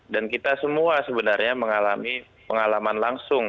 dan kita semua sebenarnya mengalami pengalaman langsung